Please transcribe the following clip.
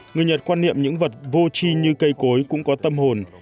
người nhật quan niệm những vật vô chi như cây cối cũng có tâm hồn